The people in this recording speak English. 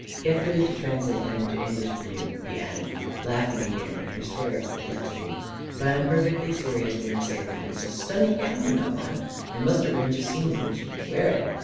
Get Billy to translate that into English for you," he added, laughing again at her stare of perplexity. " But I'm perfectly serious when I say that is a stun ning gown you have on. I must arrange a scene in which you can wear it."